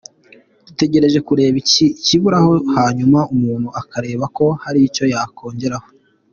Dutegereje kureba icyiburaho hanyuma umuntu akareba ko hari icyo yakongeraho.